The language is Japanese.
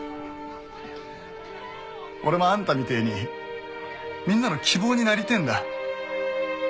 俺もあんたみてえにみんなの希望になりてえんだ。